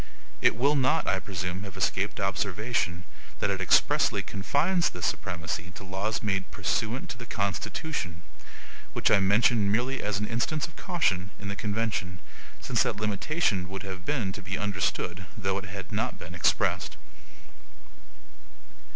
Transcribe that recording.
It will not, I presume, have escaped observation, that it EXPRESSLY confines this supremacy to laws made PURSUANT TO THE CONSTITUTION; which I mention merely as an instance of caution in the convention; since that limitation would have been to be understood, though it had not been expressed.